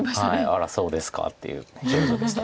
「あらそうですか」っていう表情でした。